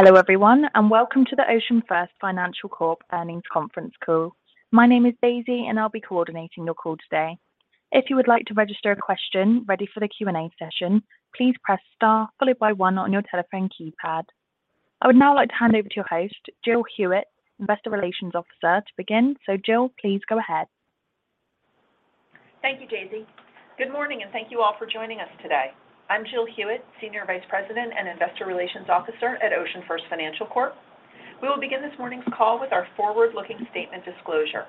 Hello everyone, welcome to the OceanFirst Financial Corp Earnings Conference Call. My name is Daisy, I'll be coordinating your call today. If you would like to register a question ready for the Q&A session, please press star followed by one on your telephone keypad. I would now like to hand over to your host, Jill Hewitt, Investor Relations Officer, to begin. Jill, please go ahead. Thank you, Daisy. Good morning, and thank you all for joining us today. I'm Jill Hewitt, Senior Vice President and Investor Relations Officer at OceanFirst Financial Corp. We will begin this morning's call with our forward-looking statement disclosure.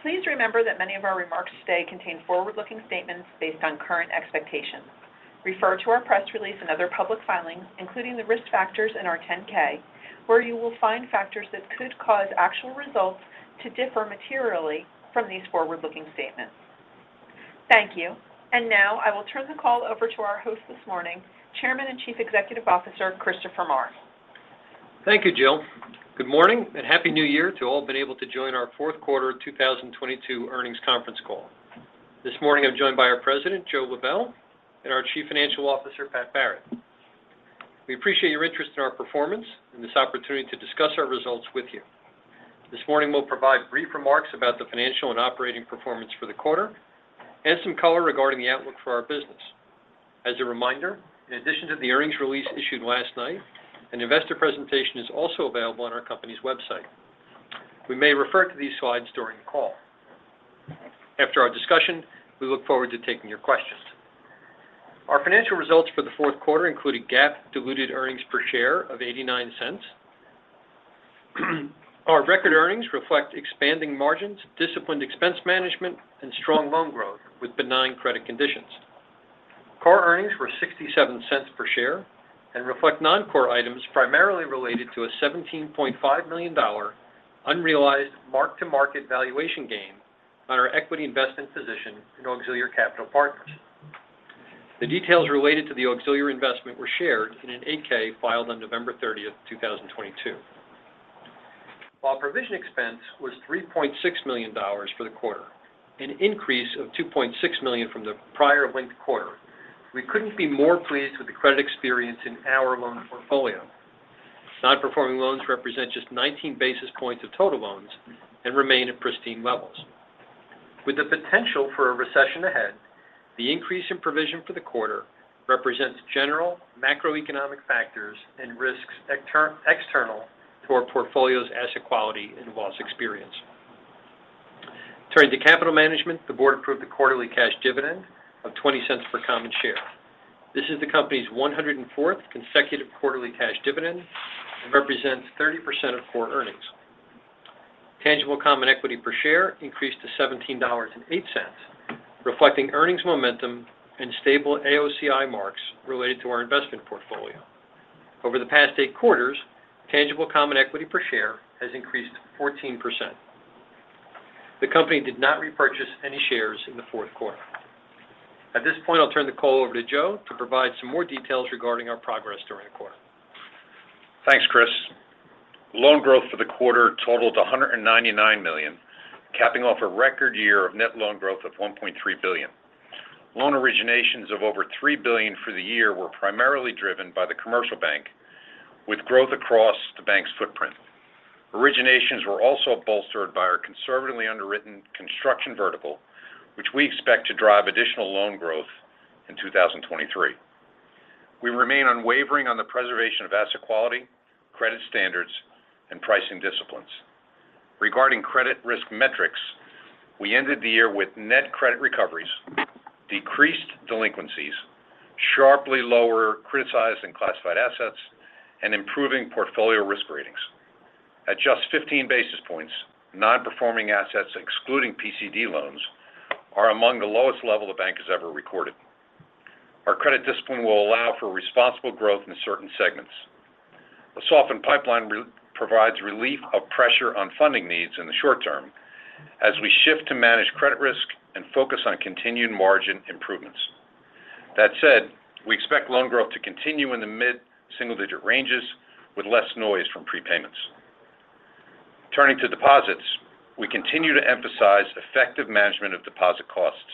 Please remember that many of our remarks today contain forward-looking statements based on current expectations. Refer to our press release and other public filings, including the risk factors in our 10-K, where you will find factors that could cause actual results to differ materially from these forward-looking statements. Thank you. Now, I will turn the call over to our host this morning, Chairman and Chief Executive Officer, Christopher Maher. Thank you, Jill. Good morning, and happy new year to all been able to join our fourth quarter of 2022 earnings conference call. This morning, I'm joined by our President, Joe Lebel, and our Chief Financial Officer, Pat Barrett. We appreciate your interest in our performance and this opportunity to discuss our results with you. This morning, we'll provide brief remarks about the financial and operating performance for the quarter and some color regarding the outlook for our business. As a reminder, in addition to the earnings release issued last night, an investor presentation is also available on our company's website. We may refer to these slides during the call. After our discussion, we look forward to taking your questions. Our financial results for the fourth quarter include a GAAP diluted earnings per share of $0.89. Our record earnings reflect expanding margins, disciplined expense management, and strong loan growth with benign credit conditions. Core earnings were $0.67 per share and reflect non-core items primarily related to a $17.5 million unrealized mark-to-market valuation gain on our equity investment in Auxilior Capital Partners. The details related to the Auxilior investment were shared in an 8-K filed on November 30th, 2022. Provision expense was $3.6 million for the quarter, an increase of $2.6 million from the prior linked quarter, we couldn't be more pleased with the credit experience in our loan portfolio. Non-performing loans represent just 19 basis points of total loans and remain at pristine levels. With the potential for a recession ahead, the increase in provision for the quarter represents general macroeconomic factors and risks external to our portfolio's asset quality and loss experience. Turning to capital management, the board approved the quarterly cash dividend of $0.20 per common share. This is the company's 104th consecutive quarterly cash dividend and represents 30% of core earnings. Tangible common equity per share increased to $17.08, reflecting earnings momentum and stable AOCI marks related to our investment portfolio. Over the past eight quarters, tangible common equity per share has increased 14%. The company did not repurchase any shares in the fourth quarter. At this point, I'll turn the call over to Joe to provide some more details regarding our progress during the quarter. Thanks, Chris. Loan growth for the quarter totaled $199 million, capping off a record year of net loan growth of $1.3 billion. Loan originations of over $3 billion for the year were primarily driven by the commercial bank, with growth across the bank's footprint. Originations were also bolstered by our conservatively underwritten construction vertical, which we expect to drive additional loan growth in 2023. We remain unwavering on the preservation of asset quality, credit standards, and pricing disciplines. Regarding credit risk metrics, we ended the year with net credit recoveries, decreased delinquencies, sharply lower criticized and classified assets, and improving portfolio risk ratings. At just 15 basis points, non-performing assets excluding PCD loans are among the lowest level the bank has ever recorded. Our credit discipline will allow for responsible growth in certain segments. A softened pipeline provides relief of pressure on funding needs in the short term as we shift to manage credit risk and focus on continued margin improvements. That said, we expect loan growth to continue in the mid-single-digit ranges with less noise from prepayments. Turning to deposits, we continue to emphasize effective management of deposit costs.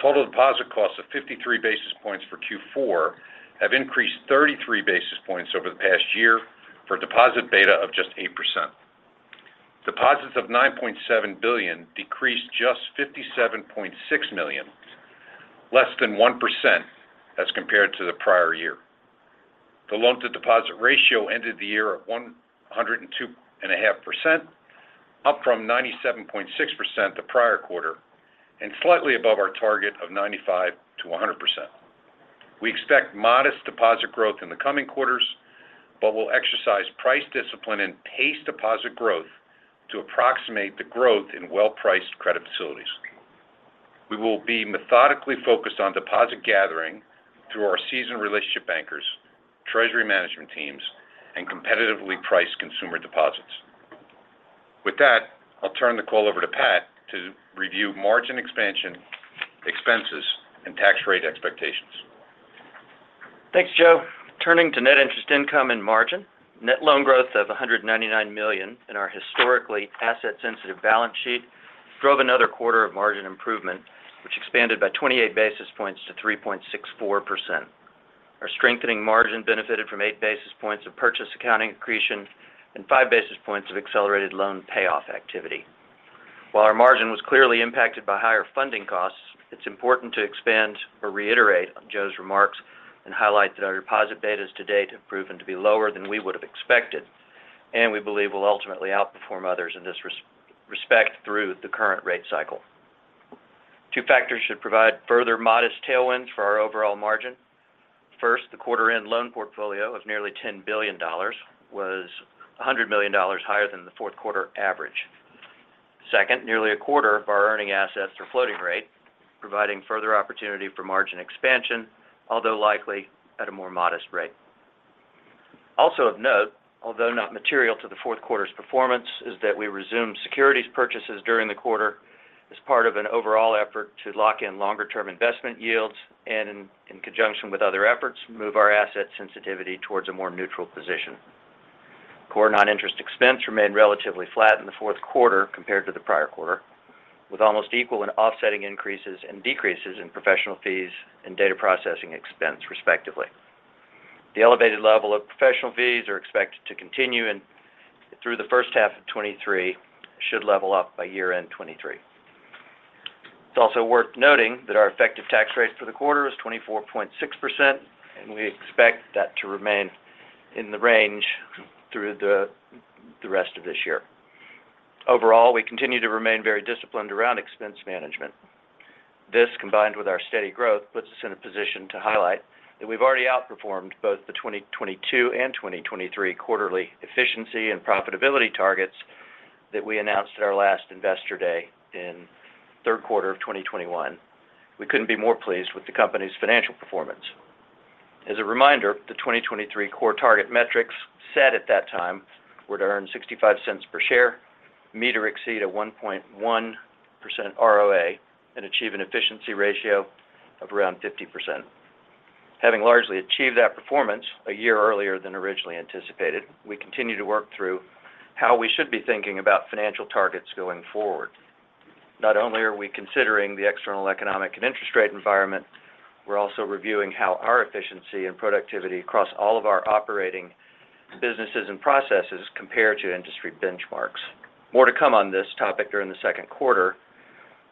Total deposit costs of 53 basis points for Q4 have increased 33 basis points over the past year for a deposit beta of just 8%. Deposits of $9.7 billion decreased just $57.6 million, less than 1% as compared to the prior year. The loan-to-deposit ratio ended the year at 102.5%, up from 97.6% the prior quarter, and slightly above our target of 95%-100%. We expect modest deposit growth in the coming quarters. We'll exercise price discipline and pace deposit growth to approximate the growth in well-priced credit facilities. We will be methodically focused on deposit gathering through our seasoned relationship bankers, treasury management teams, and competitively priced consumer deposits. With that, I'll turn the call over to Pat to review margin expansion, expenses, and tax rate expectations. Thanks, Joe. Turning to net interest income and margin, net loan growth of $199 million in our historically asset-sensitive balance sheet. Drove another quarter of margin improvement, which expanded by 28 basis points to 3.64%. Our strengthening margin benefited from 8 basis points of purchase accounting accretion and 5 basis points of accelerated loan payoff activity. While our margin was clearly impacted by higher funding costs, it's important to expand or reiterate Joe's remarks and highlight that our deposit betas to date have proven to be lower than we would have expected and we believe will ultimately outperform others in this respect through the current rate cycle. Two factors should provide further modest tailwinds for our overall margin. First, the quarter-end loan portfolio of nearly $10 billion was $100 million higher than the fourth quarter average. Second, nearly a quarter of our earning assets are floating rate, providing further opportunity for margin expansion, although likely at a more modest rate. Also of note, although not material to the fourth quarter's performance, is that we resumed securities purchases during the quarter as part of an overall effort to lock in longer-term investment yields and in conjunction with other efforts, move our asset sensitivity towards a more neutral position. Core non-interest expense remained relatively flat in the fourth quarter compared to the prior quarter, with almost equal and offsetting increases and decreases in professional fees and data processing expense, respectively. The elevated level of professional fees are expected to continue through the first half of 2023 should level up by year-end 2023. It's also worth noting that our effective tax rate for the quarter is 24.6%, and we expect that to remain in the range through the rest of this year. Overall, we continue to remain very disciplined around expense management. This, combined with our steady growth, puts us in a position to highlight that we've already outperformed both the 2022 and 2023 quarterly efficiency and profitability targets that we announced at our last Investor Day in third quarter of 2021. We couldn't be more pleased with the company's financial performance. As a reminder, the 2023 core target metrics set at that time were to earn $0.65 per share, meet or exceed a 1.1% ROA, and achieve an efficiency ratio of around 50%. Having largely achieved that performance a year earlier than originally anticipated, we continue to work through how we should be thinking about financial targets going forward. Not only are we considering the external economic and interest rate environment, we're also reviewing how our efficiency and productivity across all of our operating businesses and processes compare to industry benchmarks. More to come on this topic during the second quarter.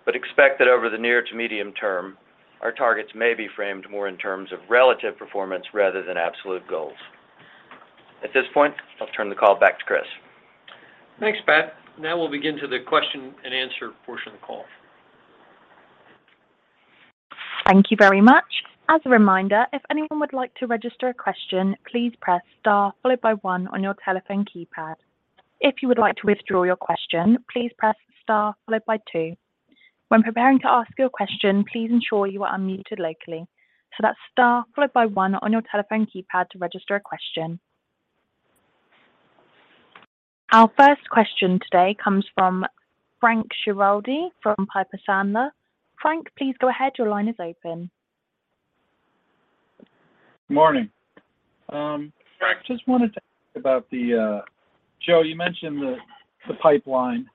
Expect that over the near to medium term, our targets may be framed more in terms of relative performance rather than absolute goals. At this point, I'll turn the call back to Chris. Thanks, Pat. We'll begin to the question and answer portion of the call. Thank you very much. As a reminder, if anyone would like to register a question, please press star followed by one on your telephone keypad. If you would like to withdraw your question, please press star followed by two. When preparing to ask your question, please ensure you are unmuted locally. That's star followed by one on your telephone keypad to register a question. Our first question today comes from Frank Schiraldi from Piper Sandler. Frank, please go ahead. Your line is open. Morning. I just wanted to ask about Joe, you mentioned the pipeline,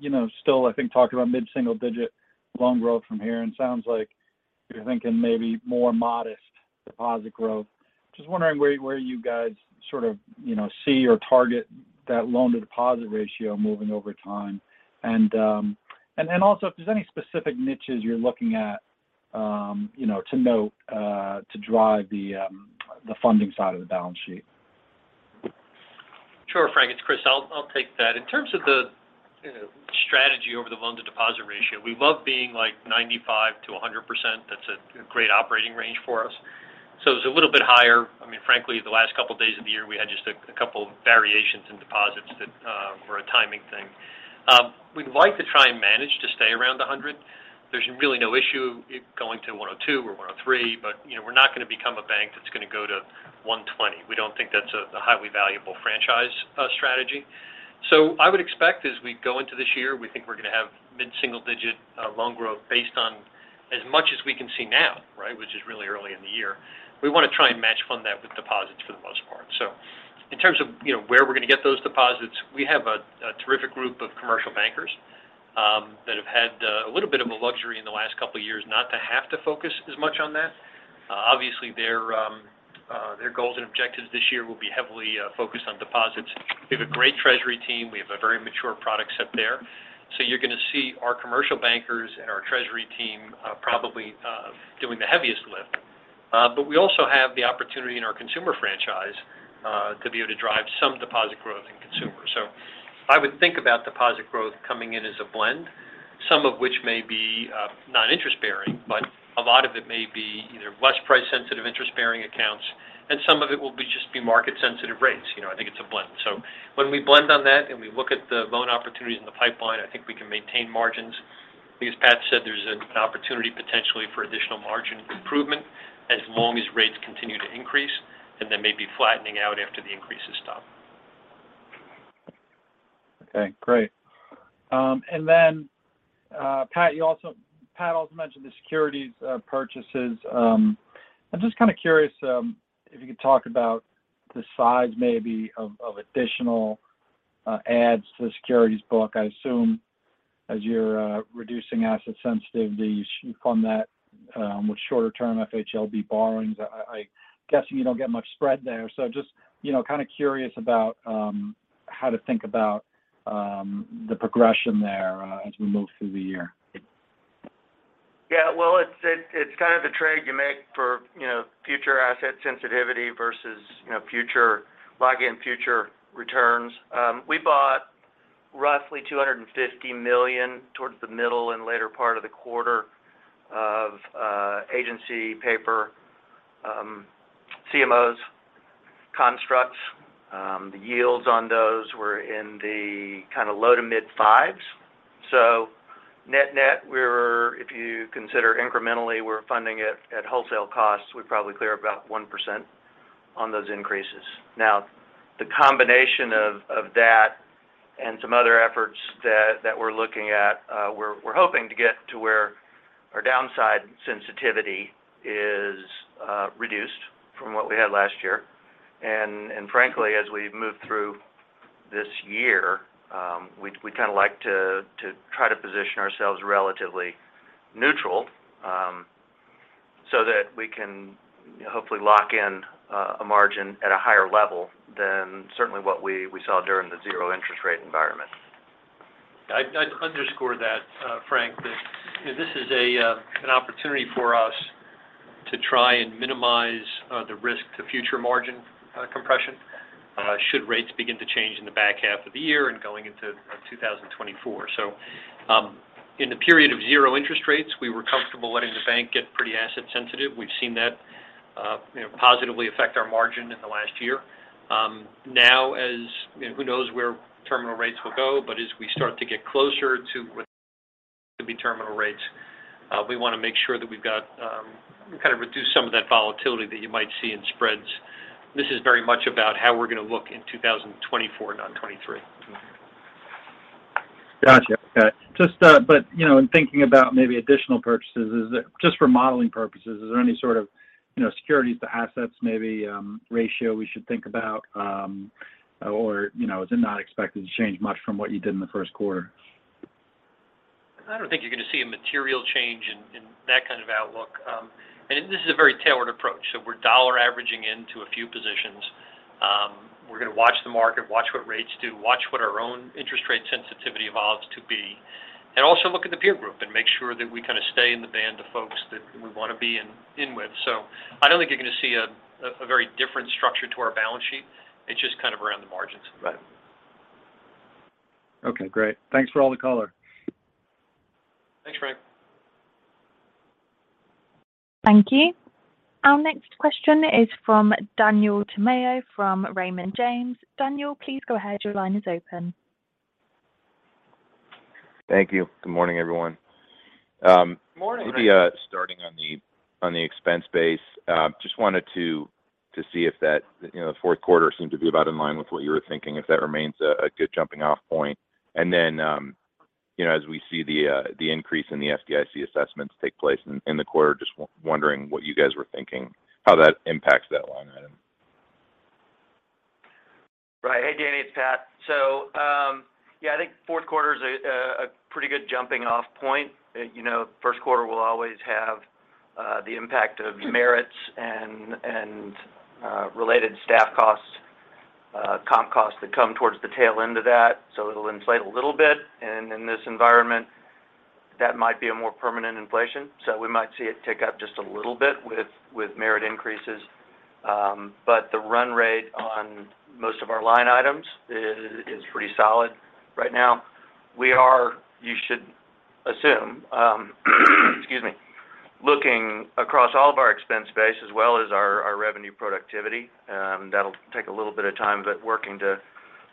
you know, still I think talking about mid-single digit loan growth from here, and sounds like you're thinking maybe more modest deposit growth. Just wondering where you guys sort of, you know, see or target that loan-to-deposit ratio moving over time. Also if there's any specific niches you're looking at, you know, to note, to drive the funding side of the balance sheet. Sure, Frank, it's Chris. I'll take that. In terms of the, you know, strategy over the loan-to-deposit ratio, we love being like 95%-100%. That's a great operating range for us. It's a little bit higher. I mean, frankly, the last couple days of the year, we had just a couple variations in deposits that were a timing thing. We'd like to try and manage to stay around the 100. There's really no issue going to 102 or 103, you know, we're not gonna become a bank that's gonna go to 120. We don't think that's a highly valuable franchise strategy. I would expect as we go into this year, we think we're gonna have mid-single digit loan growth based on as much as we can see now, right? Which is really early in the year. We want to try and match fund that with deposits for the most part. In terms of, you know, where we're gonna get those deposits, we have a terrific group of commercial bankers that have had a little bit of a luxury in the last couple of years not to have to focus as much on that. Obviously their goals and objectives this year will be heavily focused on deposits. We have a great treasury team. We have a very mature product set there. You're gonna see our commercial bankers and our treasury team probably doing the heaviest lift. We also have the opportunity in our consumer franchise to be able to drive some deposit growth in consumer. I would think about deposit growth coming in as a blend, some of which may be non-interest bearing, but a lot of it may be either less price sensitive interest bearing accounts, and some of it will just be market sensitive rates. You know, I think it's a blend. When we blend on that and we look at the loan opportunities in the pipeline, I think we can maintain margins. I think as Pat said, there's an opportunity potentially for additional margin improvement as long as rates continue to increase and then maybe flattening out after the increases stop. Okay, great. Pat also mentioned the securities purchases. I'm just kind of curious if you could talk about the size maybe of additional adds to the securities book. I assume as you're reducing asset sensitivity, you fund that with shorter-term FHLB borrowings. I guessing you don't get much spread there. Just, you know, kind of curious about how to think about the progression there as we move through the year. Yeah. Well, it's kind of a trade you make for, you know, future asset sensitivity versus, you know, lock in future returns. We bought roughly $250 million towards the middle and later part of the quarter of agency paper, CMOs constructs. The yields on those were in the kind of low to mid 5s. Net-net, if you consider incrementally, we're funding it at wholesale costs, we probably clear about 1% on those increases. The combination of that and some other efforts that we're looking at, we're hoping to get to where our downside sensitivity is reduced from what we had last year. Frankly, as we move through this year, we kind of like to try to position ourselves relatively neutral, so that we can hopefully lock in a margin at a higher level than certainly what we saw during the zero interest rate environment. I'd underscore that, Frank, that this is an opportunity for us to try and minimize the risk to future margin compression should rates begin to change in the back half of the year and going into 2024. In the period of zero interest rates, we were comfortable letting the bank get pretty asset sensitive. We've seen that, you know, positively affect our margin in the last year. Now as, you know, who knows where terminal rates will go, but as we start to get closer to what could be terminal rates, we want to make sure that we've got kind of reduced some of that volatility that you might see in spreads. This is very much about how we're going to look in 2024, not 23. Gotcha. Okay. Just, you know, in thinking about maybe additional purchases, is it just for modeling purposes, is there any sort of, you know, securities to assets maybe, ratio we should think about? Or, you know, is it not expected to change much from what you did in the first quarter? I don't think you're going to see a material change in that kind of outlook. This is a very tailored approach. We're dollar averaging into a few positions. We're going to watch the market, watch what rates do, watch what our own interest rate sensitivity evolves to be, and also look at the peer group and make sure that we kind of stay in the band of folks that we want to be in with. I don't think you're going to see a very different structure to our balance sheet. It's just kind of around the margins. Right. Okay, great. Thanks for all the color. Thanks, Frank. Thank you. Our next question is from Daniel Tamayo from Raymond James. Daniel, please go ahead. Your line is open. Thank you. Good morning, everyone. Morning. Maybe, starting on the expense base. Just wanted to see if that, you know, the fourth quarter seemed to be about in line with what you were thinking, if that remains a good jumping-off point. Then, you know, as we see the increase in the FDIC assessments take place in the quarter, just wondering what you guys were thinking, how that impacts that line item? Right. Hey, Danny, it's Pat. Yeah, I think fourth quarter is a pretty good jumping off point. You know, first quarter will always have the impact of merits and related staff costs, comp costs that come towards the tail end of that. It'll inflate a little bit. In this environment, that might be a more permanent inflation. We might see it tick up just a little bit with merit increases. The run rate on most of our line items is pretty solid right now. We are, you should assume, excuse me, looking across all of our expense base as well as our revenue productivity. That'll take a little bit of time, but working to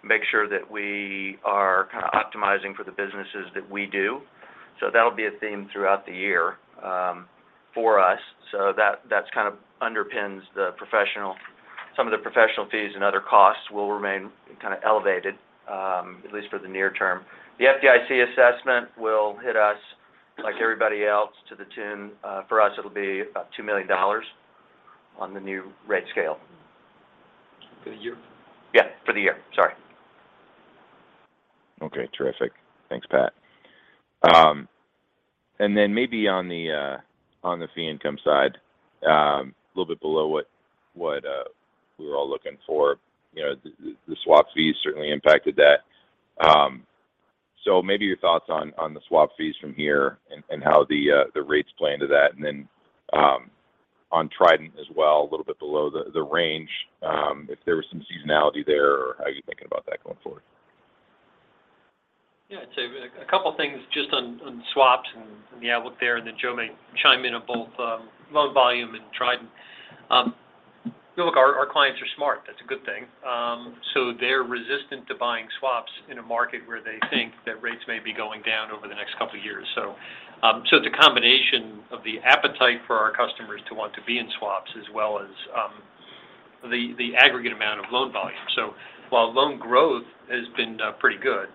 make sure that we are kind of optimizing for the businesses that we do. That'll be a theme throughout the year for us. That, that's kind of underpins some of the professional fees and other costs will remain kind of elevated at least for the near term. The FDIC assessment will hit us like everybody else to the tune, for us, it'll be about $2 million on the new rate scale. For the year? Yeah, for the year. Sorry. Okay, terrific. Thanks, Pat. Then maybe on the fee income side, a little bit below what we were all looking for. You know, the, the swap fees certainly impacted that. Maybe your thoughts on the swap fees from here and how the rates play into that. On Trident as well, a little bit below the range, if there was some seasonality there or how you're thinking about that going forward? I'd say a couple of things just on swaps and the outlook there, and then Joe may chime in on both loan volume and Trident. You know, look, our clients are smart. That's a good thing. They're resistant to buying swaps in a market where they think that rates may be going down over the next couple of years. It's a combination of the appetite for our customers to want to be in swaps as well as the aggregate amount of loan volume. While loan growth has been pretty good,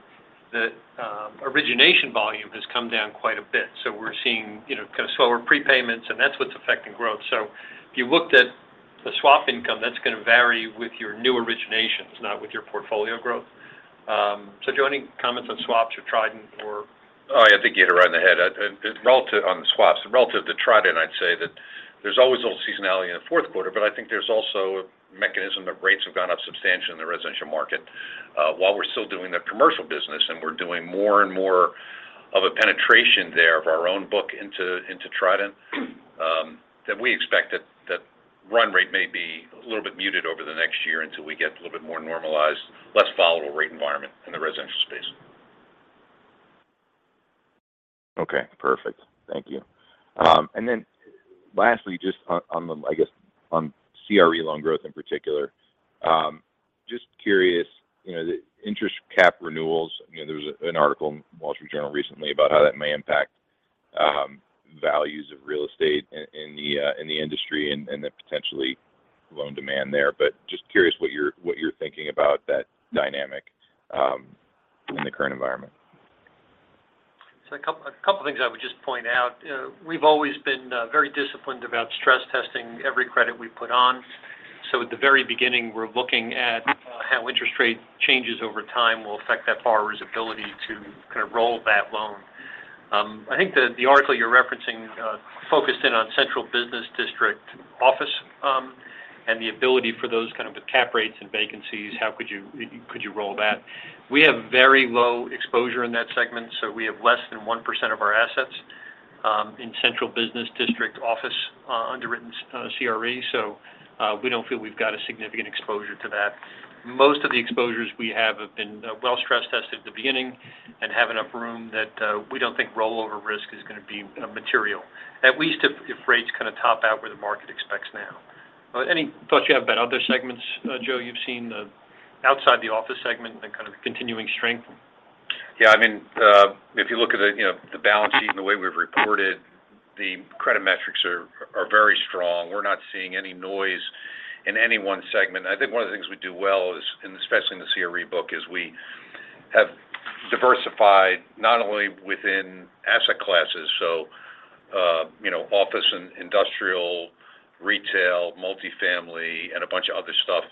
the origination volume has come down quite a bit. We're seeing, you know, kind of slower prepayments, and that's what's affecting growth. If you looked at the swap income, that's gonna vary with your new originations, not with your portfolio growth. Joe, any comments on swaps or Trident or? Oh yeah, I think you hit it right in the head. Relative on the swaps, relative to Trident, I'd say that there's always a little seasonality in the fourth quarter, but I think there's also a mechanism that rates have gone up substantially in the residential market. While we're still doing the commercial business and we're doing more and more of a penetration there of our own book into Trident, we expect that run rate may be a little bit muted over the next year until we get a little bit more normalized, less volatile rate environment in the residential space. Okay. Perfect. Thank you. Lastly, just on the, I guess on CRE loan growth in particular, just curious, you know, the interest cap renewals. You know, there was an article in Wall Street Journal recently about how that may impact values of real estate in the industry and the potentially loan demand there. Just curious what you're thinking about that dynamic in the current environment. A couple things I would just point out. We've always been very disciplined about stress testing every credit we put on. At the very beginning, we're looking at how interest rate changes over time will affect that borrower's ability to kind of roll that loan. I think the article you're referencing focused in on central business district office, and the ability for those kind of cap rates and vacancies, how could you roll that? We have very low exposure in that segment, we have less than 1% of our assets in central business district office, underwritten CRE. We don't feel we've got a significant exposure to that. Most of the exposures we have have been well stress tested at the beginning and have enough room that we don't think rollover risk is gonna be material, at least if rates kind of top out where the market expects now. Any thoughts you have about other segments, Joe, you've seen outside the office segment and kind of continuing strength? Yeah, I mean, if you look at the, you know, the balance sheet and the way we've reported, the credit metrics are very strong. We're not seeing any noise in any one segment. I think one of the things we do well is, and especially in the CRE book, is we have diversified not only within asset classes, so, you know, office and industrial, retail, multifamily, and a bunch of other stuff.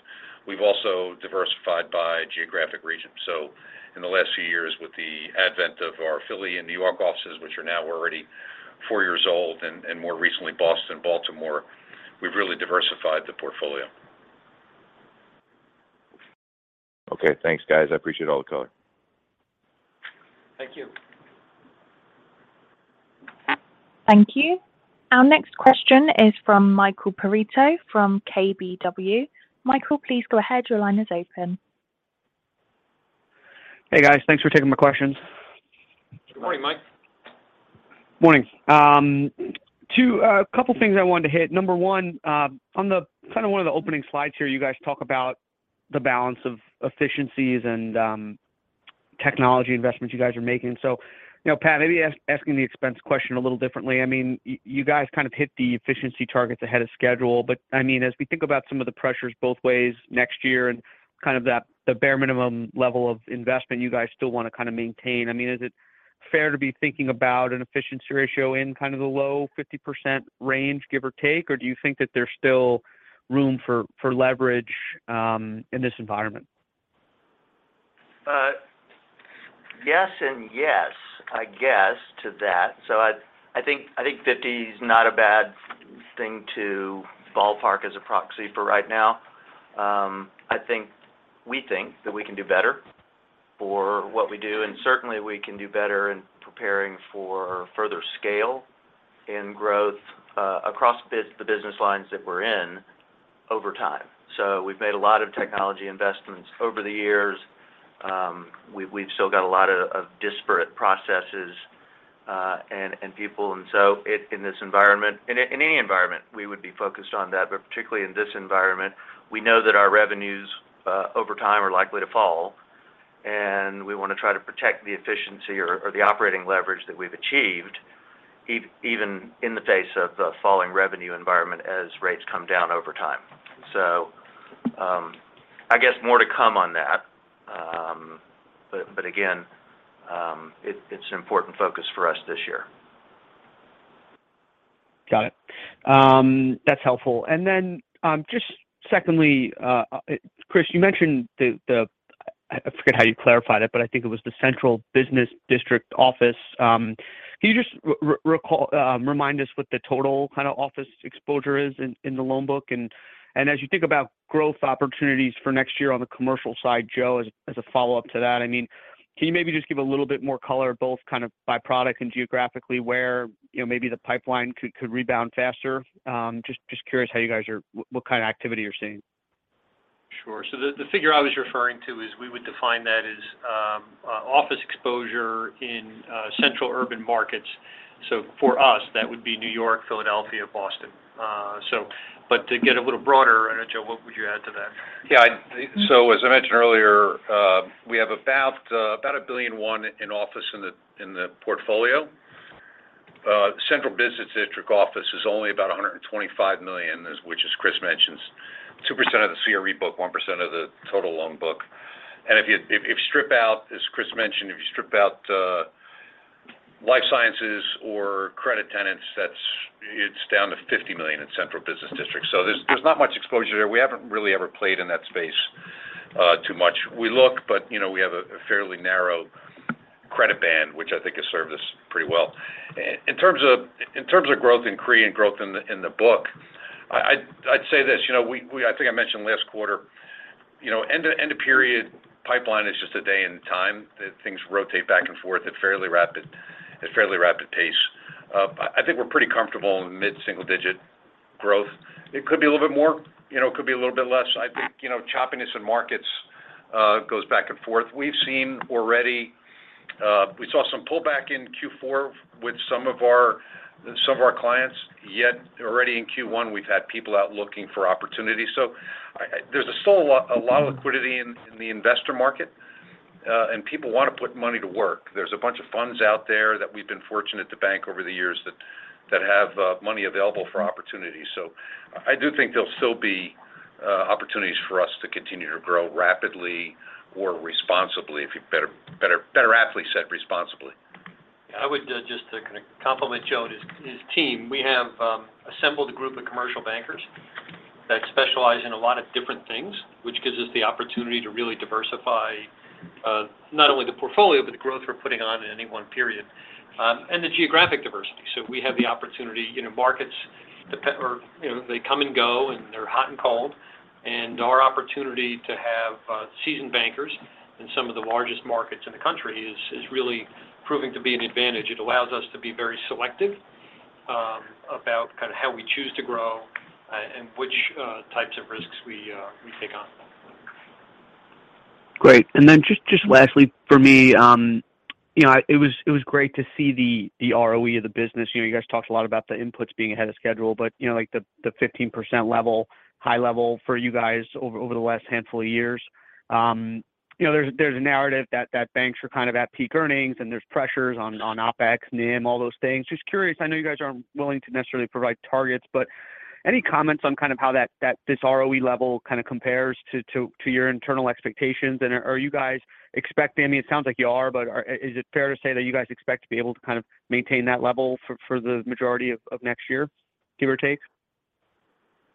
We've also diversified by geographic region. In the last few years with the advent of our Philly and New York offices, which are now already 4 years old, and more recently Boston, Baltimore, we've really diversified the portfolio. Okay, thanks guys. I appreciate all the color. Thank you. Thank you. Our next question is from Michael Perito from KBW. Michael, please go ahead. Your line is open. Hey guys. Thanks for taking my questions. Good morning, Mike. Morning. A couple things I wanted to hit. Number one, on the kind of one of the opening slides here, you guys talk about the balance of efficiencies and technology investments you guys are making. You know, Pat, maybe asking the expense question a little differently. I mean, you guys kind of hit the efficiency targets ahead of schedule, but I mean, as we think about some of the pressures both ways next year and kind of that, the bare minimum level of investment you guys still want to kind of maintain, I mean, is it fair to be thinking about an efficiency ratio in kind of the low 50% range, give or take? Or do you think that there's still room for leverage in this environment? Yes and yes, I guess, to that. I think 50% is not a bad thing to ballpark as a proxy for right now. I think we think that we can do better for what we do, and certainly we can do better in preparing for further scale and growth across the business lines that we're in over time. We've made a lot of technology investments over the years. We've still got a lot of disparate processes and people. In this environment, in any environment, we would be focused on that. Particularly in this environment, we know that our revenues, over time are likely to fall and we want to try to protect the efficiency or the operating leverage that we've achieved even in the face of the falling revenue environment as rates come down over time. I guess more to come on that. Again, it's an important focus for us this year. Got it. That's helpful. Just secondly, Chris, you mentioned I forget how you clarified it, but I think it was the central business district office. Can you just remind us what the total kind of office exposure is in the loan book? As you think about growth opportunities for next year on the commercial side, Joe, as a follow-up to that, I mean, can you maybe just give a little bit more color both kind of by product and geographically where, you know, maybe the pipeline could rebound faster? Just curious how you guys what kind of activity you're seeing. Sure. The figure I was referring to is we would define that as office exposure in central urban markets. For us, that would be New York, Philadelphia, Boston. To get a little broader, Joe, what would you add to that? Yeah. As I mentioned earlier, we have about $1.1 billion in office in the, in the portfolio. Central business district office is only about $125 million, as which as Chris mentions, 2% of the CRE book, 1% of the total loan book. If you, if strip out, as Chris mentioned, if you strip out life sciences or credit tenants, it's down to $50 million in central business district. There's not much exposure there. We haven't really ever played in that space too much. We look, but, you know, we have a fairly narrow credit band, which I think has served us pretty well. In terms of, in terms of growth in CRE and growth in the, in the book, I'd say this. You know, I think I mentioned last quarter. You know, end of period pipeline is just a day in time that things rotate back and forth at fairly rapid pace. I think we're pretty comfortable in mid-single digit growth. It could be a little bit more, you know, it could be a little bit less. I think, you know, choppiness in markets goes back and forth. We've seen already, we saw some pullback in Q4 with some of our clients. Already in Q1, we've had people out looking for opportunities. I there's still a lot of liquidity in the investor market, and people wanna put money to work. There's a bunch of funds out there that we've been fortunate to bank over the years that have money available for opportunities. I do think there'll still be opportunities for us to continue to grow rapidly or responsibly if you better aptly said responsibly. I would just to kind of compliment Joe and his team. We have assembled a group of commercial bankers that specialize in a lot of different things, which gives us the opportunity to really diversify not only the portfolio, but the growth we're putting on in any one period, and the geographic diversity. We have the opportunity. You know, markets or, you know, they come and go, and they're hot and cold. Our opportunity to have seasoned bankers in some of the largest markets in the country is really proving to be an advantage. It allows us to be very selective about kind of how we choose to grow and which types of risks we take on. Great. Just lastly for me, you know, it was great to see the ROE of the business. You know, you guys talked a lot about the inputs being ahead of schedule but, you know, like the 15% level, high level for you guys over the last handful of years. You know, there's a narrative that banks are kind of at peak earnings, and there's pressures on OpEx, NIM, all those things. Just curious, I know you guys aren't willing to necessarily provide targets, but any comments on kind of how that this ROE level kind of compares to your internal expectations? Are you guys expecting... I mean, it sounds like you are, but is it fair to say that you guys expect to be able to kind of maintain that level for the majority of next year, give or take?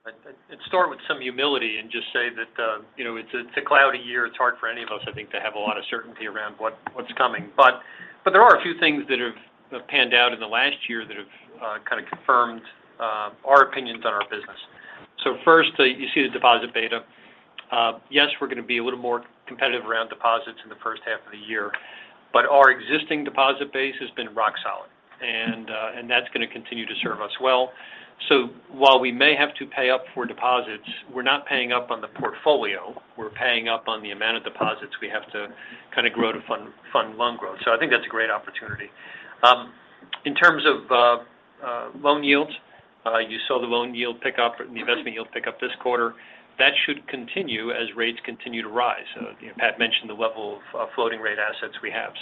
I'd start with some humility and just say that, you know, it's a cloudy year. It's hard for any of us, I think, to have a lot of certainty around what's coming. There are a few things that have panned out in the last year that have kind of confirmed our opinions on our business. First, you see the deposit beta. Yes, we're gonna be a little more competitive around deposits in the first half of the year, our existing deposit base has been rock solid, and that's gonna continue to serve us well. While we may have to pay up for deposits, we're not paying up on the portfolio. We're paying up on the amount of deposits we have to kind of grow to fund loan growth. I think that's a great opportunity. In terms of loan yields, you saw the loan yield pick up and the investment yield pick up this quarter. That should continue as rates continue to rise. You know, Pat mentioned the level of floating rate assets we have.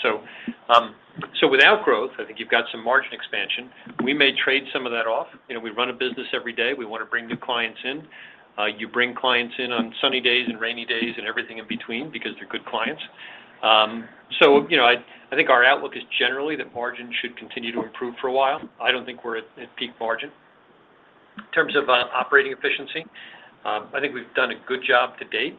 Without growth, I think you've got some margin expansion. We may trade some of that off. You know, we run a business every day. We wanna bring new clients in. You bring clients in on sunny days and rainy days and everything in between because they're good clients. You know, I think our outlook is generally that margin should continue to improve for a while. I don't think we're at peak margin. In terms of operating efficiency, I think we've done a good job to date.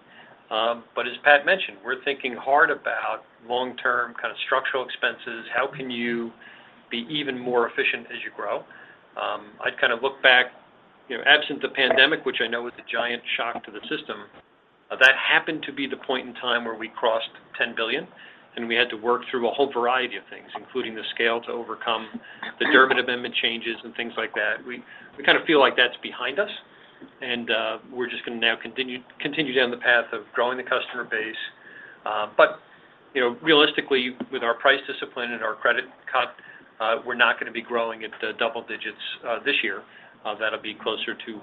As Pat mentioned, we're thinking hard about long-term kind of structural expenses. How can you be even more efficient as you grow? I'd kind of look back, you know, absent the pandemic, which I know was a giant shock to the system. That happened to be the point in time where we crossed $10 billion, and we had to work through a whole variety of things, including the scale to overcome the Durbin Amendment changes and things like that. We kind of feel like that's behind us, and we're just gonna now continue down the path of growing the customer base. You know, realistically, with our price discipline and our credit cut, we're not gonna be growing at double digits this year. That'll be closer to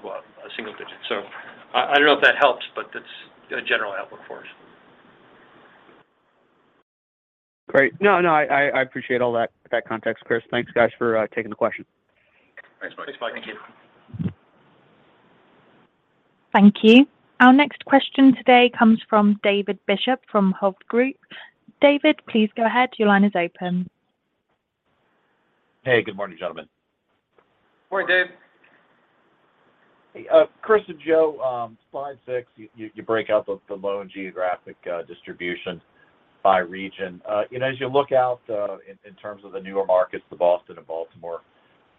single digits. I don't know if that helps, but that's a general outlook for us. Great. No, I appreciate all that context, Chris. Thanks, guys, for taking the question. Thanks, Mike. Thanks, Mike. Thank you. Thank you. Our next question today comes from David Bishop from Hovde Group. David, please go ahead. Your line is open. Hey, good morning, gentlemen. Morning, Dave. Hey. Chris and Joe, slide six, you break out the loan geographic distribution by region. You know, as you look out in terms of the newer markets, the Boston and Baltimore,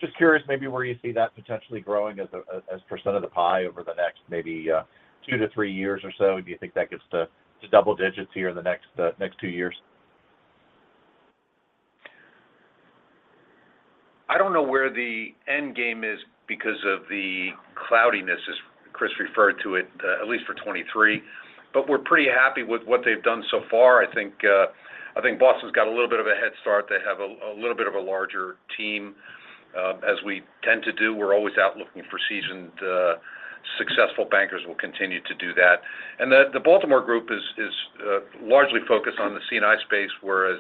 just curious maybe where you see that potentially growing as a percent of the pie over the next maybe two to three years or so. Do you think that gets to double digits here in the next two years? I don't know where the end game is because of the cloudiness, as Chris referred to it, at least for 2023. We're pretty happy with what they've done so far. I think, I think Boston's got a little bit of a head start. They have a little bit of a larger team. As we tend to do, we're always out looking for seasoned Successful bankers will continue to do that. The Baltimore group is largely focused on the C&I space, whereas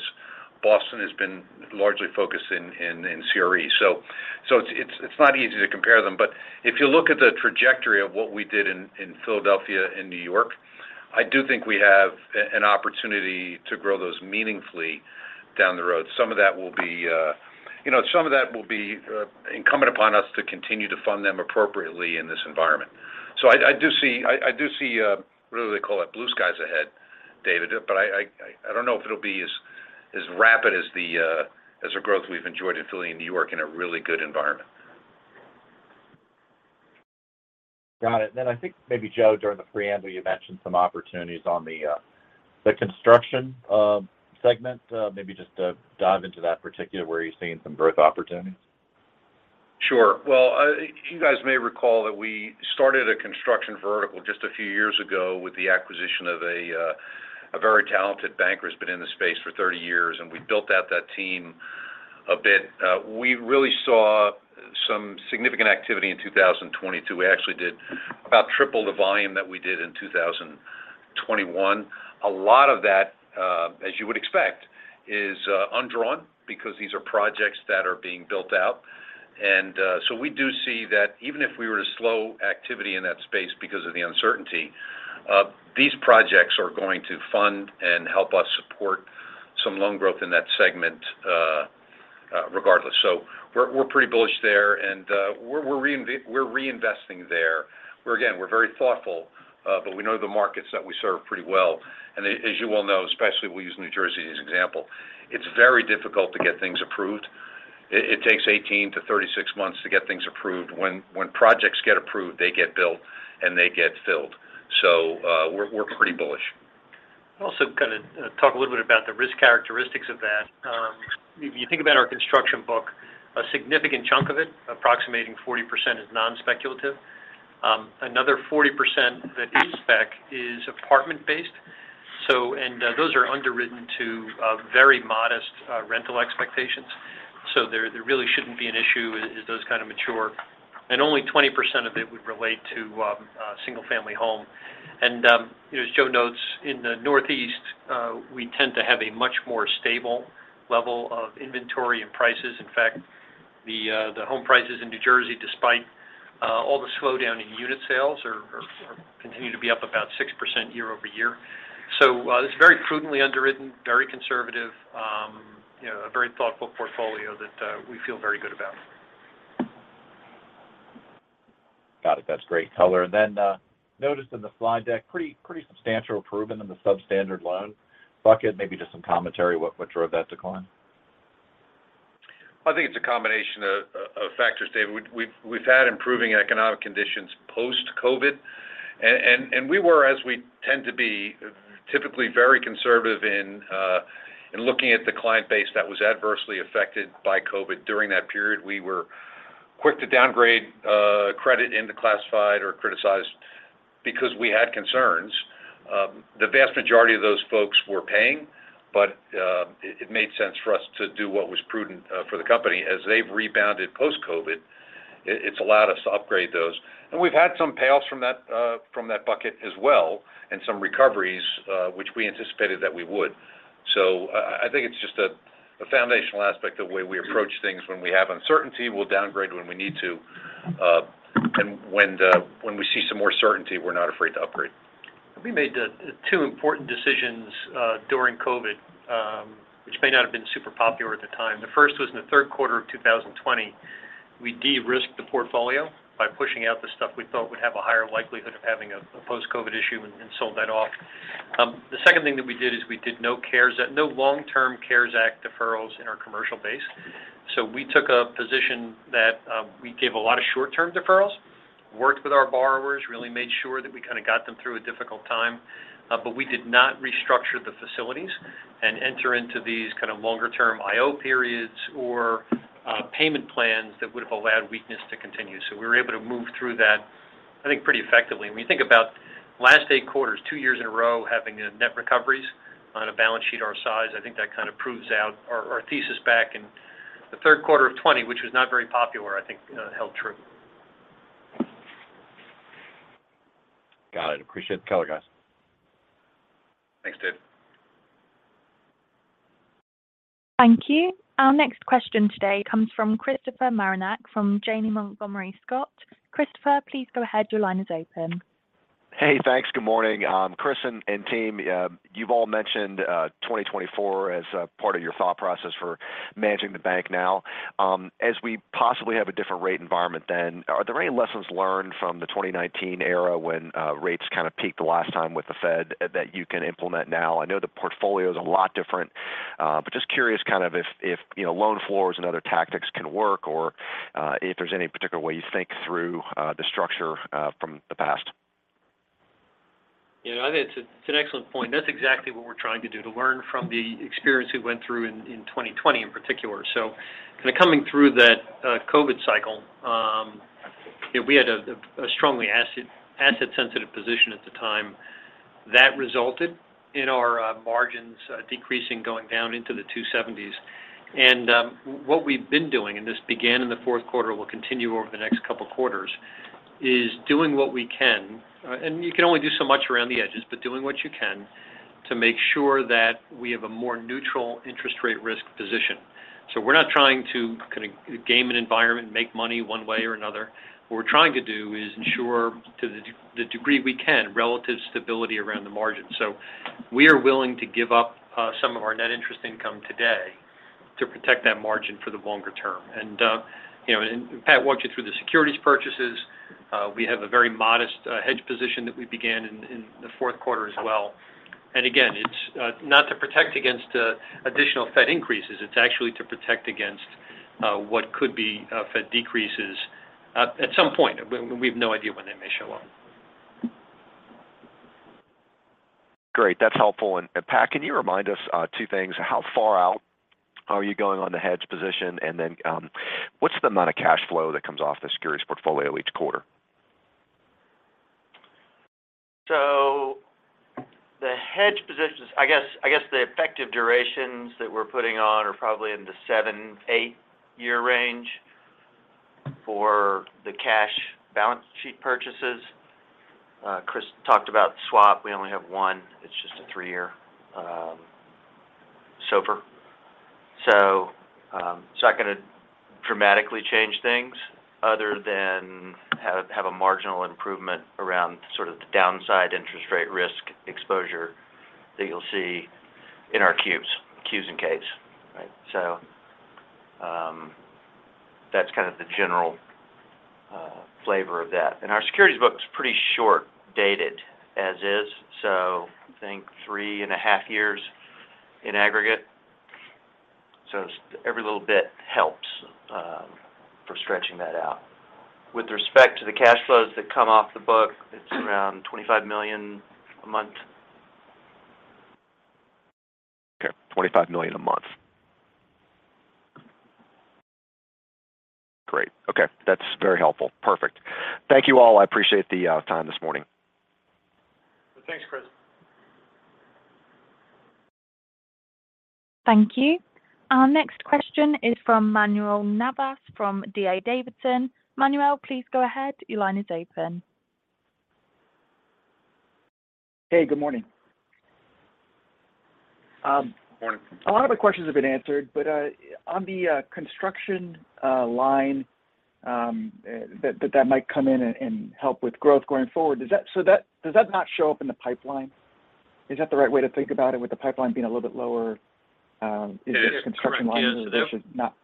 Boston has been largely focused in CRE. It's not easy to compare them. If you look at the trajectory of what we did in Philadelphia and New York, I do think we have an opportunity to grow those meaningfully down the road. Some of that will be, you know, incumbent upon us to continue to fund them appropriately in this environment. I do see really they call it blue skies ahead, David, but I don't know if it'll be as rapid as the growth we've enjoyed in Philly and New York in a really good environment. Got it. I think maybe Joe, during the preamble, you mentioned some opportunities on the construction segment. Maybe just dive into that particular where you're seeing some growth opportunities? Sure. Well, you guys may recall that we started a construction vertical just a few years ago with the acquisition of a very talented banker who's been in the space for 30 years, and we built out that team a bit. We really saw some significant activity in 2022. We actually did about triple the volume that we did in 2021. A lot of that, as you would expect, is undrawn because these are projects that are being built out. We do see that even if we were to slow activity in that space because of the uncertainty, these projects are going to fund and help us support some loan growth in that segment regardless. We're reinvesting there. We're again, we're very thoughtful, but we know the markets that we serve pretty well. As you well know, especially we use New Jersey as an example, it's very difficult to get things approved. It takes 18 to 36 months to get things approved. When projects get approved, they get built and they get filled. We're pretty bullish. Kind of talk a little bit about the risk characteristics of that. If you think about our construction book, a significant chunk of it, approximating 40% is non-speculative. Another 40% that is spec is apartment-based. Those are underwritten to a very modest rental expectations. There, there really shouldn't be an issue as those kind of mature. Only 20% of it would relate to single-family home. You know, as Joe notes, in the Northeast, we tend to have a much more stable level of inventory and prices. In fact, the home prices in New Jersey, despite all the slowdown in unit sales are continue to be up about 6% year-over-year. it's very prudently underwritten, very conservative, you know, a very thoughtful portfolio that we feel very good about. Got it. That's great color. Noticed in the slide deck, pretty substantial improvement in the substandard loan bucket. Maybe just some commentary what drove that decline? I think it's a combination of factors, David. We've had improving economic conditions post-COVID. We were, as we tend to be typically very conservative in looking at the client base that was adversely affected by COVID during that period. We were quick to downgrade credit into classified or criticized because we had concerns. The vast majority of those folks were paying, it made sense for us to do what was prudent for the company. As they've rebounded post-COVID, it's allowed us to upgrade those. We've had some payoffs from that from that bucket as well and some recoveries which we anticipated that we would. I think it's just a foundational aspect of the way we approach things when we have uncertainty. We'll downgrade when we need to, and when we see some more certainty, we're not afraid to upgrade. We made the two important decisions during COVID, which may not have been super popular at the time. The first was in the third quarter of 2020. We de-risked the portfolio by pushing out the stuff we thought would have a higher likelihood of having a post-COVID issue and sold that off. The second thing that we did is we did no long-term CARES Act deferrals in our commercial base. We took a position that we gave a lot of short-term deferrals, worked with our borrowers, really made sure that we kind of got them through a difficult time. We did not restructure the facilities and enter into these kind of longer-term IO periods or payment plans that would have allowed weakness to continue. We were able to move through that, I think, pretty effectively. When you think about last eight quarters, two years in a row having net recoveries on a balance sheet our size, I think that kind of proves out our thesis back in the third quarter of 2020, which was not very popular, I think, held true. Got it. Appreciate the color, guys. Thanks, Dave. Thank you. Our next question today comes from Christopher Marinac from Janney Montgomery Scott. Christopher, please go ahead. Your line is open. Thanks. Good morning. Chris and team, you've all mentioned 2024 as a part of your thought process for managing the bank now. As we possibly have a different rate environment then, are there any lessons learned from the 2019 era when rates kind of peaked last time with the Fed that you can implement now? I know the portfolio is a lot different, but just curious kind of if, you know, loan floors and other tactics can work or if there's any particular way you think through the structure from the past. You know, I think it's an excellent point. That's exactly what we're trying to do, to learn from the experience we went through in 2020 in particular. Kind of coming through that COVID cycle, you know, we had a strongly asset sensitive position at the time. That resulted in our margins decreasing going down into the 270s. What we've been doing, and this began in the fourth quarter, will continue over the next couple quarters, is doing what we can. You can only do so much around the edges, but doing what you can to make sure that we have a more neutral interest rate risk position. We're not trying to kind of game an environment, make money one way or another. What we're trying to do is ensure to the degree we can, relative stability around the margin. We are willing to give up some of our net interest income today to protect that margin for the longer term. You know, and Pat walked you through the securities purchases. We have a very modest hedge position that we began in the fourth quarter as well. Again, it's not to protect against additional Fed increases. It's actually to protect against what could be Fed decreases at some point. We've no idea when they may show up. Great. That's helpful. Pat, can you remind us, two things. How far out are you going on the hedge position? What's the amount of cash flow that comes off the securities portfolio each quarter? The hedge positions, the effective durations that we're putting on are probably in the seven, eight year range for the cash balance sheet purchases. Chris talked about swap. We only have one. It's just a three-year SOFR. It's not gonna dramatically change things other than have a marginal improvement around sort of the downside interest rate risk exposure that you'll see in our cubes, Qs and Ks, right? That's kind of the general flavor of that. Our securities book is pretty short dated as is, so I think three and a half years in aggregate. Every little bit helps for stretching that out. With respect to the cash flows that come off the book, it's around $25 million a month. Okay. $25 million a month. Great. Okay. That's very helpful. Perfect. Thank you all. I appreciate the time this morning. Thanks, Chris. Thank you. Our next question is from Manuel Navas from D.A. Davidson. Manuel, please go ahead. Your line is open. Hey, good morning. Morning. A lot of my questions have been answered, but on the construction line, that might come in and help with growth going forward. Does that not show up in the pipeline? Is that the right way to think about it, with the pipeline being a little bit lower? Is this construction line? Yeah. Yeah. essentially not...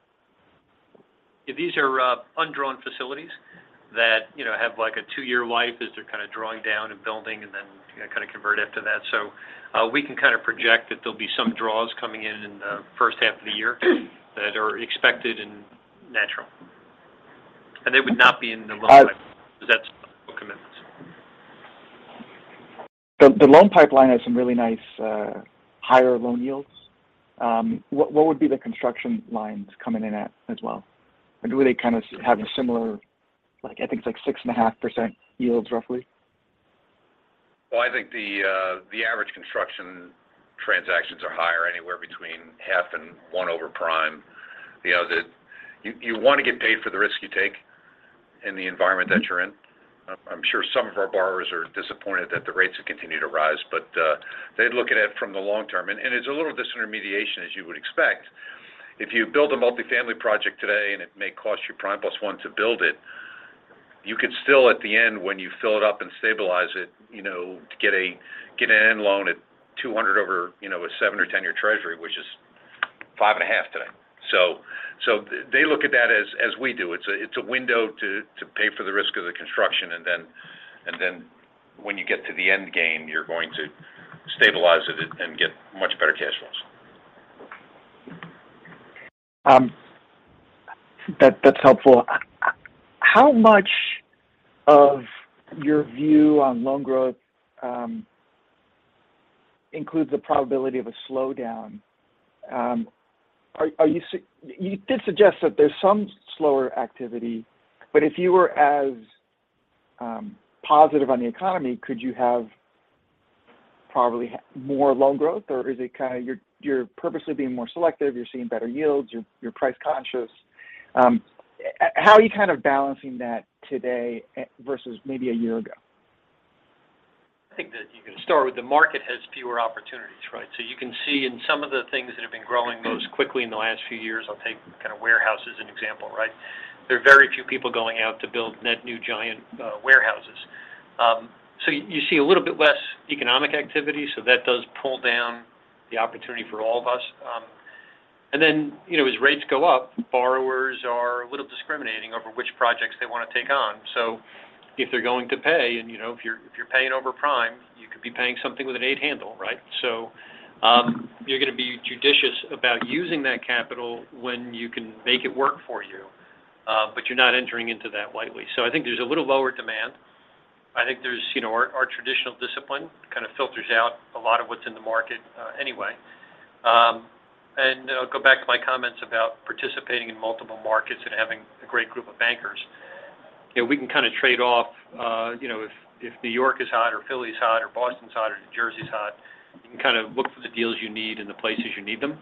These are undrawn facilities that, you know, have like a two-year life as they're kind of drawing down and building and then kinda convert after that. We can kind of project that there'll be some draws coming in in the first half of the year that are expected and natural. They would not be in the loan pipeline because that's for commitments. The loan pipeline has some really nice higher loan yields. What would be the construction lines coming in at, as well? Do they kind of have a similar, like, I think it's 6.5% yields roughly? Well, I think the average construction transactions are higher, anywhere between half and 1 over prime. You know, you wanna get paid for the risk you take in the environment that you're in. I'm sure some of our borrowers are disappointed that the rates have continued to rise, but they look at it from the long term. It's a little disintermediation as you would expect. If you build a multifamily project today, it may cost you prime plus 1 to build it, you could still at the end, when you fill it up and stabilize it, you know, to get an end loan at 200 over, you know, a seven or 10-year treasury, which is five and a half today. They look at that as we do. It's a window to pay for the risk of the construction, and then when you get to the end game, you're going to stabilize it and get much better cash flows. That, that's helpful. How much of your view on loan growth includes the probability of a slowdown? Are you did suggest that there's some slower activity, but if you were as positive on the economy, could you have probably more loan growth? Or is it kind of you're purposely being more selective, you're seeing better yields, you're price conscious. How are you kind of balancing that today versus maybe a year ago? I think that you can start with the market has fewer opportunities, right? You can see in some of the things that have been growing most quickly in the last few years. I'll take kind of warehouse as an example, right? There are very few people going out to build net new giant warehouses. You see a little bit less economic activity, so that does pull down the opportunity for all of us. Then, you know, as rates go up, borrowers are a little discriminating over which projects they wanna take on. If they're going to pay and, you know, if you're paying over prime, you could be paying something with an eight handle, right? You're gonna be judicious about using that capital when you can make it work for you. You're not entering into that lightly. I think there's a little lower demand. I think there's, you know, our traditional discipline kind of filters out a lot of what's in the market anyway. I'll go back to my comments about participating in multiple markets and having a great group of bankers. Yeah, we can kind of trade off, you know, if New York is hot or Philly's hot, or Boston's hot, or New Jersey's hot, you can kind of look for the deals you need in the places you need them.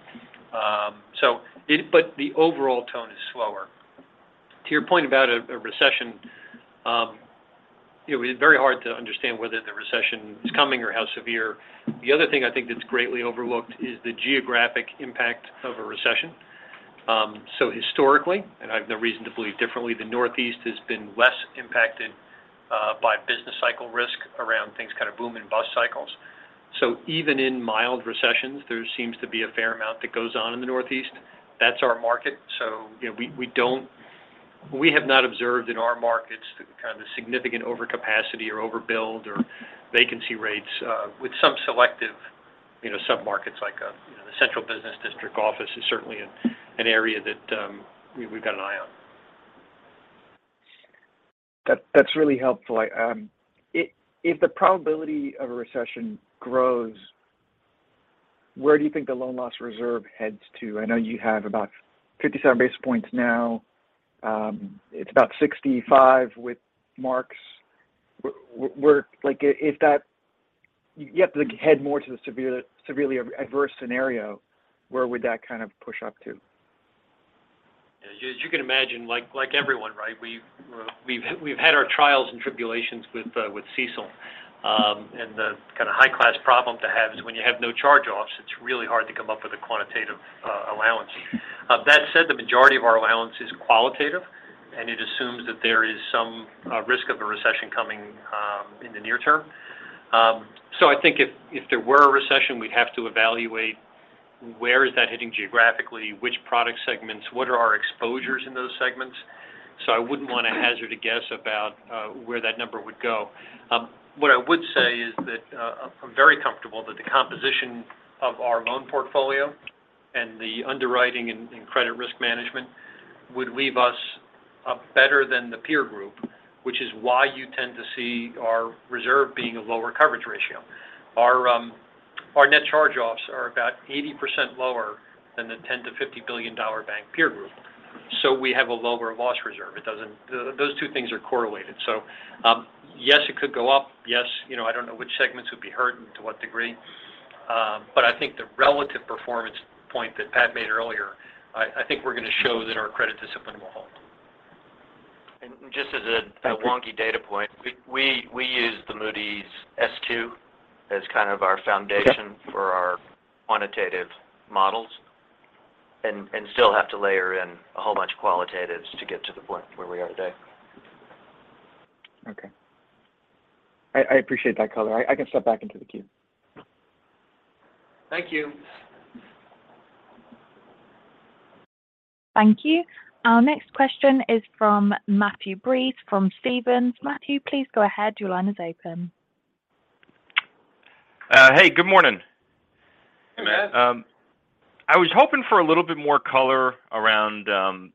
The overall tone is slower. To your point about a recession, you know, it's very hard to understand whether the recession is coming or how severe. The other thing I think that's greatly overlooked is the geographic impact of a recession. Historically, and I have no reason to believe differently, the Northeast has been less impacted by business cycle risk around things kind of boom and bust cycles. Even in mild recessions, there seems to be a fair amount that goes on in the Northeast. That's our market, so, you know, we have not observed in our markets the kind of significant overcapacity or overbuild or vacancy rates with some selective, you know, submarkets like, you know, the central business district office is certainly an area that we've got an eye on. That's really helpful. I, if the probability of a recession grows, where do you think the loan loss reserve heads to? I know you have about 57 basis points now. It's about 65 with marks. Where, like, if that you have to, like, head more to the severely adverse scenario, where would that kind of push up to? As you can imagine, like everyone, right? We've had our trials and tribulations with CECL. The kind of high-class problem to have is when you have no charge-offs, it's really hard to come up with a quantitative allowance. That said, the majority of our allowance is qualitative, and it assumes that there is some risk of a recession coming in the near term. I think if there were a recession, we'd have to evaluate where is that hitting geographically, which product segments, what are our exposures in those segments. I wouldn't want to hazard a guess about where that number would go. What I would say is that I'm very comfortable that the composition of our loan portfolio and the underwriting and credit risk management would leave us better than the peer group, which is why you tend to see our reserve being a lower coverage ratio. Our net charge-offs are about 80% lower than the $10 billion-$50 billion bank peer group. We have a lower loss reserve. It doesn't. Those two things are correlated. Yes, it could go up. Yes, you know, I don't know which segments would be hurt and to what degree. But I think the relative performance point that Pat made earlier, I think we're gonna show that our credit discipline will hold. just as Thank you. wonky data point. We use the Moody's S2 as kind of our foundation for our quantitative models and still have to layer in a whole bunch of qualitatives to get to the point where we are today. Okay. I appreciate that color. I can step back into the queue. Thank you. Thank you. Our next question is from Matthew Breese from Stephens. Matthew, please go ahead. Your line is open. Hey, good morning. Hey, Matt. I was hoping for a little bit more color around,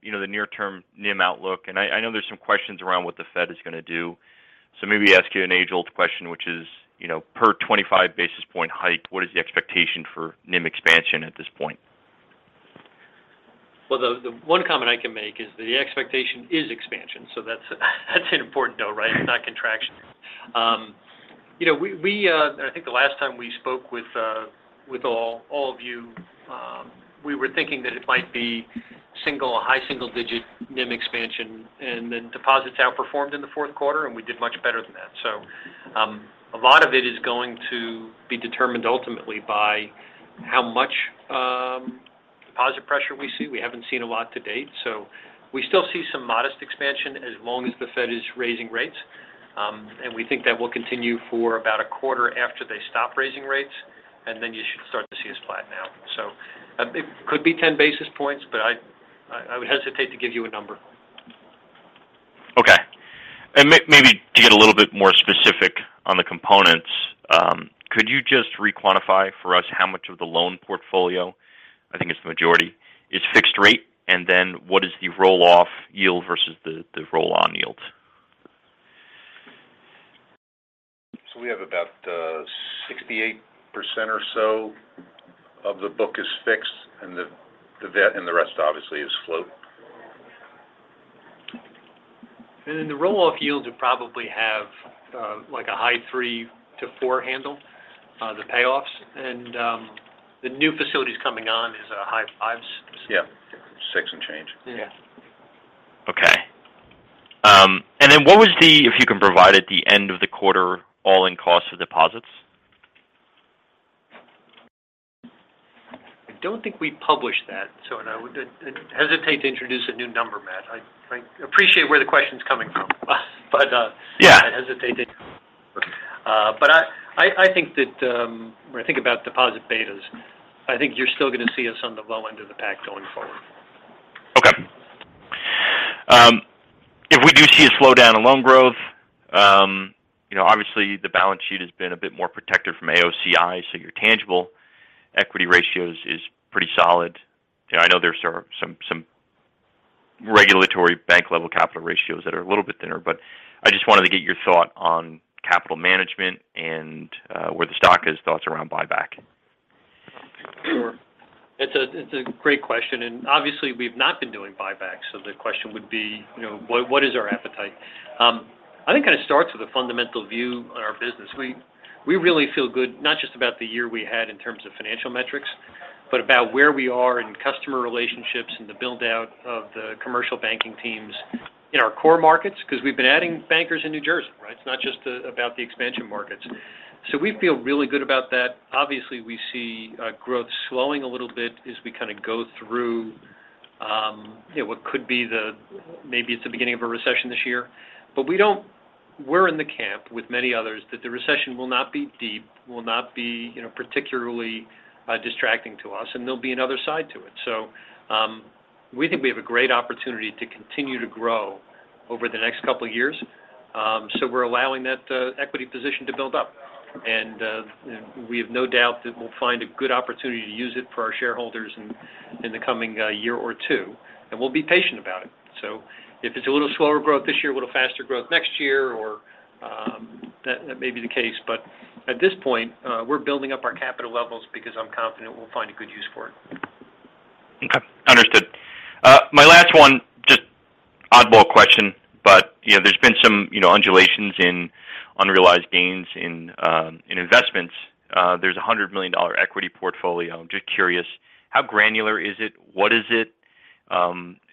you know, the near term NIM outlook. I know there's some questions around what the Fed is gonna do. Maybe ask you an age-old question, which is, you know, per 25 basis point hike, what is the expectation for NIM expansion at this point? Well, the one comment I can make is that the expectation is expansion, that's an important note, right? It's not contraction. You know, we, and I think the last time we spoke with all of you, we were thinking that it might be single or high single digit NIM expansion, and then deposits outperformed in the fourth quarter, and we did much better than that. A lot of it is going to be determined ultimately by how much deposit pressure we see. We haven't seen a lot to date. We still see some modest expansion as long as the Fed is raising rates. And we think that will continue for about a quarter after they stop raising rates. Then you should start to see us flatten out. It could be 10 basis points, I would hesitate to give you a number. Okay. Maybe to get a little bit more specific on the components, could you just re-quantify for us how much of the loan portfolio, I think it's the majority, is fixed rate, and then what is the roll-off yield versus the roll-on yield? We have about 68% or so of the book is fixed and the rest obviously is float. The roll-off yields would probably have like a high three to four handle, the payoffs. The new facilities coming on is a high 5. Yeah. 6 and change. Yeah. Okay. If you can provide at the end of the quarter all-in cost of deposits? I don't think we publish that. I would hesitate to introduce a new number, Matt. I appreciate where the question's coming from, but. Yeah. I hesitate to. I think that, when I think about deposit betas, I think you're still gonna see us on the low end of the pack going forward. Okay. If we do see a slowdown in loan growth, you know, obviously the balance sheet has been a bit more protected from AOCI, so your tangible equity ratios is pretty solid. You know, I know there's sort of some regulatory bank level capital ratios that are a little bit thinner. I just wanted to get your thought on capital management and, where the stock is, thoughts around buyback. Sure. It's a, it's a great question. Obviously, we've not been doing buybacks, so the question would be, you know, what is our appetite? I think it kind of starts with a fundamental view on our business. We really feel good, not just about the year we had in terms of financial metrics, but about where we are in customer relationships and the build-out of the commercial banking teams in our core markets because we've been adding bankers in New Jersey, right? It's not just about the expansion markets. We feel really good about that. Obviously, we see growth slowing a little bit as we kind of go through, you know, what could be the maybe it's the beginning of a recession this year. We don't... We're in the camp with many others that the recession will not be deep, will not be, you know, particularly distracting to us, and there'll be another side to it. We think we have a great opportunity to continue to grow over the next couple of years. We're allowing that equity position to build up. We have no doubt that we'll find a good opportunity to use it for our shareholders in the coming year or two, and we'll be patient about it. If it's a little slower growth this year, a little faster growth next year or that may be the case. At this point, we're building up our capital levels because I'm confident we'll find a good use for it. Okay. Understood. My last one, just oddball question, you know, there's been some, you know, undulations in unrealized gains in investments. There's a $100 million equity portfolio. I'm just curious, how granular is it? What is it?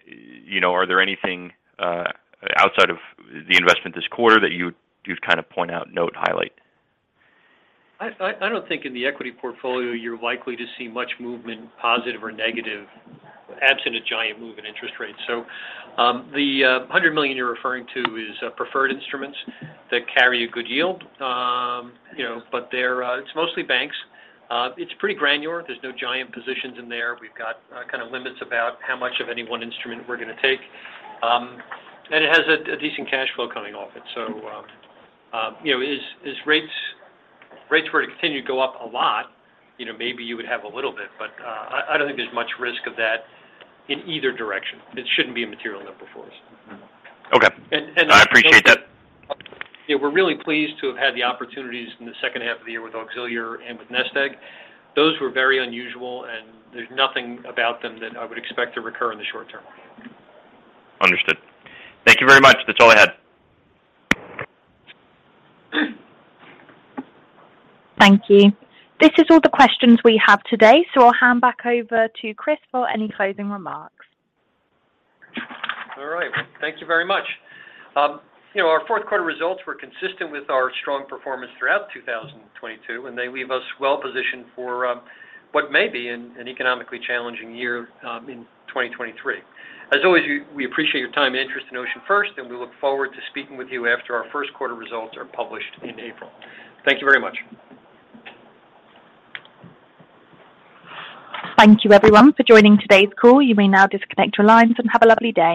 You know, are there anything outside of the investment this quarter that you would kind of point out, note, highlight? I don't think in the equity portfolio you're likely to see much movement, positive or negative, absent a giant move in interest rates. The $100 million you're referring to is preferred instruments that carry a good yield. You know, they're mostly banks. It's pretty granular. There's no giant positions in there. We've got kind of limits about how much of any one instrument we're going to take. It has a decent cash flow coming off it. You know, if rates were to continue to go up a lot, you know, maybe you would have a little bit, but I don't think there's much risk of that in either direction. It shouldn't be a material number for us. Okay. And, and- I appreciate that. Yeah. We're really pleased to have had the opportunities in the second half of the year with Auxilior and with NestEgg. Those were very unusual, and there's nothing about them that I would expect to recur in the short term. Understood. Thank you very much. That's all I had. Thank you. This is all the questions we have today. I'll hand back over to Chris for any closing remarks. All right. Thank you very much. You know, our fourth quarter results were consistent with our strong performance throughout 2022. They leave us well positioned for what may be an economically challenging year in 2023. As always, we appreciate your time and interest in OceanFirst. We look forward to speaking with you after our first quarter results are published in April. Thank you very much. Thank you, everyone, for joining today's call. You may now disconnect your lines and have a lovely day.